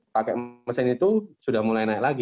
pakai mesin itu sudah mulai naik lagi